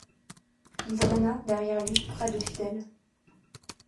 Il draina, derrière lui, près de fidèles.